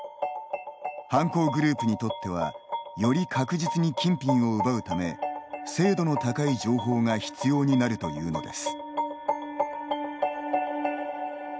犯行グループにとってはより確実に金品を奪うため精度の高い情報が必要になるというのです。